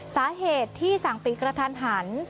สาเหตุที่สั่งปิดกระทันหัน